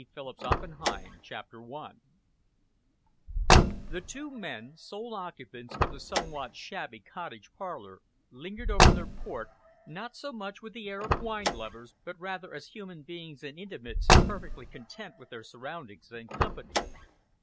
Phillips Oppenheim CHAPTER I The two men, sole occupants of the somewhat shabby cottage parlour, lingered over their port, not so much with the air of wine lovers, but rather as human beings and intimates, perfectly content with their surroundings and company.